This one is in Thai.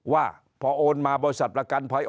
ว่าพอโอนมาบริษัทประกันภัย